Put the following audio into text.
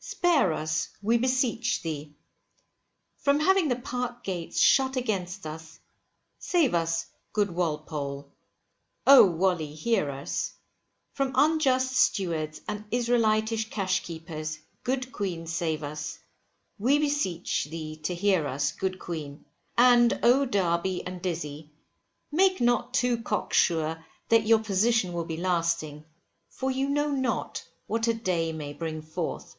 Spare us, we beseech thee. From having the Park gates shut against us, save us good Walpole. Oh, Wally, hear us. From unjust stewards, and Israelitish cash keepers, good Queen save us. We beseech thee to hear us, good Queen. And oh Derby and Dizzy, make not too cock sure that your position will be lasting, for you know not what a day may bring forth.